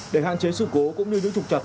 để hạn chế sự cố cũng như những trục trặc